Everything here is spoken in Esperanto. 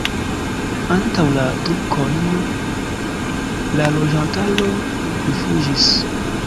Antaŭ la turkojn la loĝantaro rifuĝis.